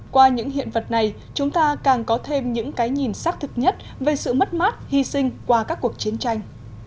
qua những hiện vật này chúng ta càng có thêm những cái nhìn xác thực nhất về sự mất mát hy sinh qua các cuộc chiến tranh